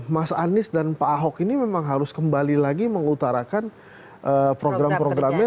mas anies dan pak ahok ini memang harus kembali lagi mengutarakan program programnya